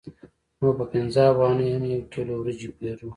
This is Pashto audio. نو په پنځه افغانیو هم یو کیلو وریجې پېرو